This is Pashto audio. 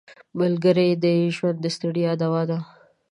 ملګری د ژوند د ستړیا دوا ده